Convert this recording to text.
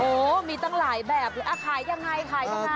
โอ้โหมีตั้งหลายแบบขายยังไงขายยังไง